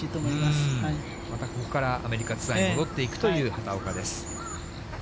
またここからアメリカツアーに戻っていくという畑岡です。